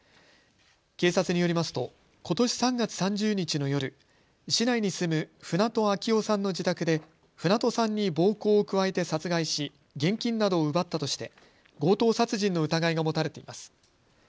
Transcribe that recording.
警察によりますとことし３月３０日の夜、市内に住む船戸秋雄さんの自宅で船戸さんに暴行を加えて殺害し現金などを奪ったとして強盗殺人の疑いが持たれています。